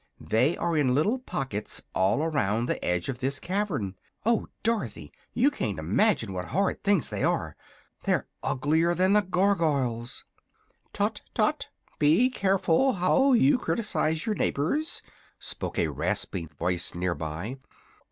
"They are in little pockets all around the edge of this cavern. Oh, Dorothy you can't imagine what horrid things they are! They're uglier than the Gargoyles." "Tut tut! be careful how you criticise your neighbors," spoke a rasping voice near by.